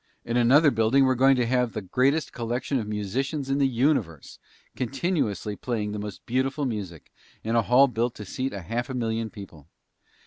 In another building we're going to have the greatest collection of musicians in the universe, continuously playing the most beautiful music, in a hall built to seat a half million people.